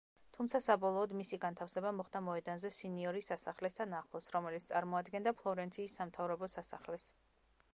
თუმცა, საბოლოოდ მისი განთავსება მოხდა მოედანზე სინიორის სასახლესთან ახლოს, რომელიც წარმოადგენდა ფლორენციის სამთავრობო სასახლეს.